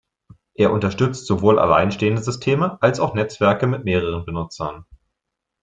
Er unterstützt sowohl alleinstehende Systeme als auch Netzwerke mit mehreren Benutzern.